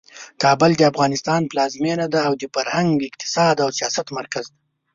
کابل د افغانستان پلازمینه ده او د فرهنګ، اقتصاد او سیاست مرکز دی.